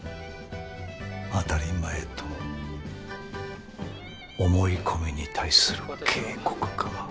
当たり前と思い込みに対する警告か。